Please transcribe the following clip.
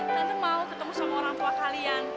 tante mau ketemu sama orang tua kalian